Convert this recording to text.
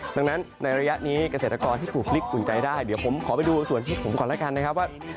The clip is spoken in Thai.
ดังนั้นในระยะนี้เกษตรกรที่ถูกพลิกอุ่นใจได้เดี๋ยวผมขอไปดูส่วนที่ผมก่อนแล้วกันนะครับว่า